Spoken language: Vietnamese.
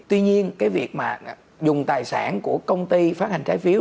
tuy nhiên cái việc mà dùng tài sản của công ty phát hành trái phiếu